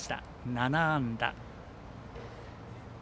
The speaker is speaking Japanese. ７安打。